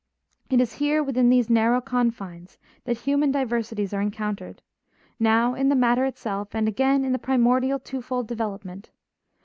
It is here, within these narrow confines, that human diversities are encountered, now in the matter itself and again in the primordial twofold development.